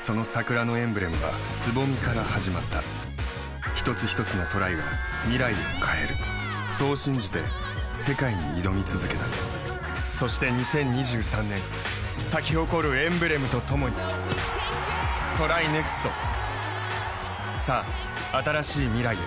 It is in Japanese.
その桜のエンブレムは蕾から始まった一つひとつのトライが未来を変えるそう信じて世界に挑み続けたそして２０２３年咲き誇るエンブレムとともにＴＲＹＮＥＸＴさあ、新しい未来へ。